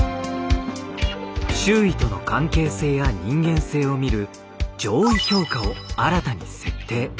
周囲との関係性や人間性を見る情意評価を新たに設定。